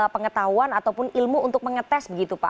pengetahuan ataupun ilmu untuk mengetes begitu pak